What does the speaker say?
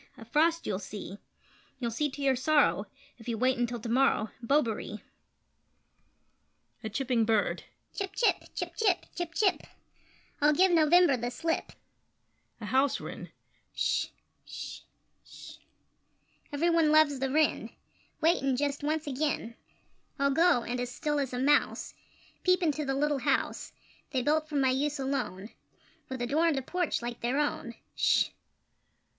A frost you'll see You'll see to your sorrow, If you wait until to morrow Bobaree! [A Chipping Bird]: Chip chip! Chip chip! Chip chip! I'll give November the slip! [A House Wren]: Sh! Sh! Sh! Every one loves the Wren! Wait, and just once again I'll go, and, as still as a mouse, Peep into the little house They built for my use alone, With a door and a porch like their own! Sh!